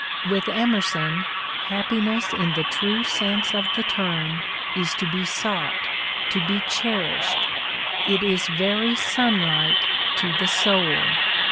" With Emerson happiness in the true sense of the term is to be sought, to be cherished ; it is very sunlight to the soul.